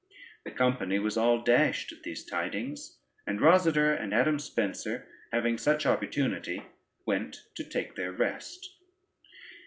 The company was all dashed at these tidings, and Rosader and Adam Spencer, having such opportunity, went to take their rest.